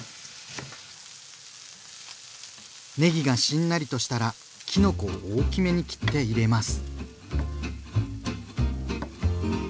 ねぎがしんなりとしたらきのこを大きめに切って入れます。